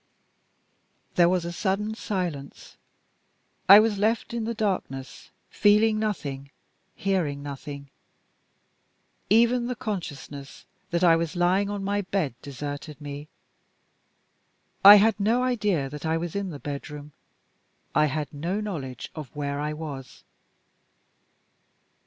There was a sudden silence. I was still left in the darkness; feeling nothing, hearing nothing. Even the consciousness that I was lying on my bed deserted me. I had no idea that I was in the bedroom; I had no knowledge of where I was.